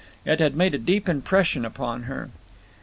It had made a deep impression upon her.